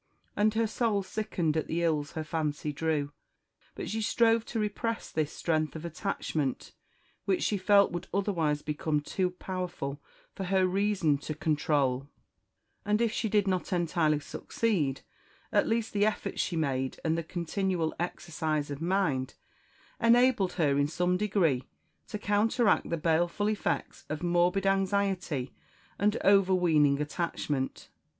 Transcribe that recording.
And her soul sickened at the ills her fancy drew. But she strove to repress this strength of attachment, which she felt would otherwise become too powerful for her reason to control; and if she did not entirely succeed, at least the efforts she made and the continual exercise of mind enabled her in some degree to counteract the baleful effects of morbid anxiety and overweening attachment.